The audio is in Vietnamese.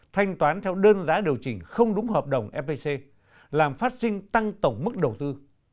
thanh toán theo đơn giá điều chỉnh không đúng hợp đồng fpc làm phát sinh tăng tổng mức đầu tư